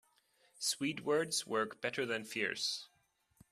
Sweet words work better than fierce.